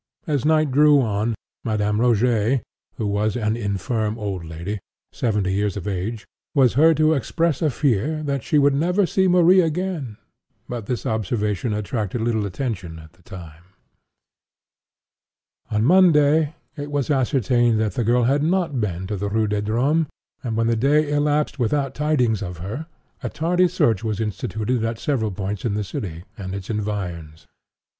As night drew on, Madame Rogêt (who was an infirm old lady, seventy years of age,) was heard to express a fear "that she should never see Marie again;" but this observation attracted little attention at the time. On Monday, it was ascertained that the girl had not been to the Rue des Drômes; and when the day elapsed without tidings of her, a tardy search was instituted at several points in the city, and its environs.